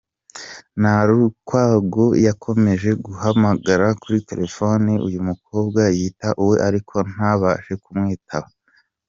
Nalukwago yakomeje guhamagara kuri telefoni uyu mukobwa yita uwe ariko ntabashe kumwitaba.